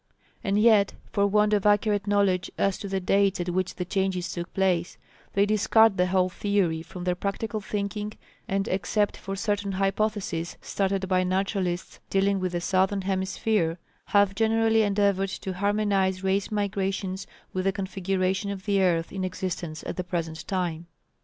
And yet for want of accurate knowledge as to the dates at which the changes took place, they discard the whole theory from their practical thinking, and except for certain hypotheses started by naturalists dealing with the southern hemisphere, have generally endeavoured to harmonize race migrations with the configuration of the earth in existence at the present time.